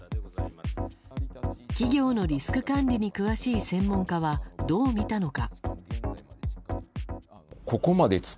企業のリスク管理に詳しい専門家は、どう見たのか。